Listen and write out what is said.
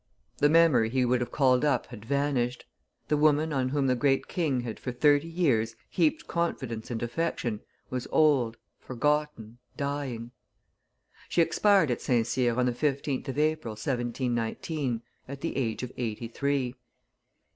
The memory he would have called up had vanished. The woman on whom the great king had, for thirty years, heaped confidence and affection, was old, forgotten, dying; she expired at St. Cyr on the 15th of April, 1719, at the age of eighty three.